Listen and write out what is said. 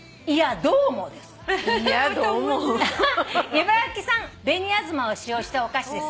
「茨城産紅あずまを使用したお菓子です」